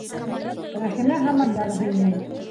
Рәхимә һаман ярһый ине: